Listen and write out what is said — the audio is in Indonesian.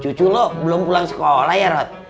cucu lo belum pulang sekolah ya roh